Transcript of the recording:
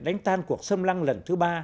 đánh tan cuộc xâm lăng lần thứ ba